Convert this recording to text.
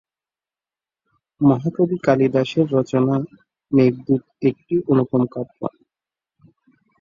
মহাকবি কালিদাসের রচনা মেঘদূত একটি অনুপম কাব্য।